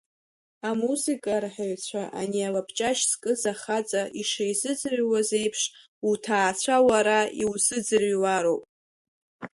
Амузика арҳәаҩцәа ани алабҷашь зкыз ахаҵа ишизыӡырҩуаз еиԥш, уҭаацәа уара иузыӡрыҩлароуп!